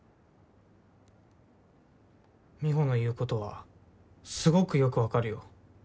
美帆の言うことはすごくよく分かるよ。